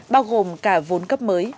bao gồm cả vốn cấp mới